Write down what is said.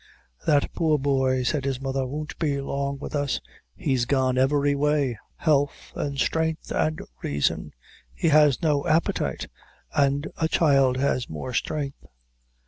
"That poor boy," said his mother, "won't be long with us; he's gone every way health and strength, and reason. He has no appetite and a child has more strength.